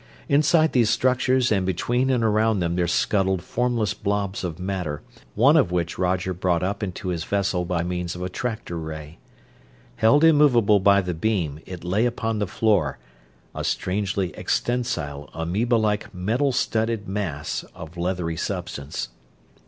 Inside these structures and between and around them there scuttled formless blobs of matter, one of which Roger brought up into his vessel by means of a tractor ray. Held immovable by the beam it lay upon the floor, a strangely extensile, amoeba like metal studded mass of leathery substance.